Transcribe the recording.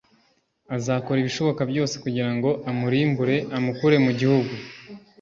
Azakora ibishoboka byose kugira ngo amurimbure amukure mu gihugu